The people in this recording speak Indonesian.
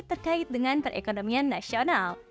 terkait dengan perekonomian nasional